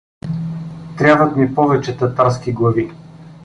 — Трябват ми повече татарски глави.